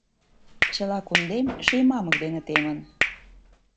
Чыла кундем ший мамык дене темын…